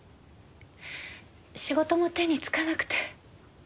仕事も手につかなくて。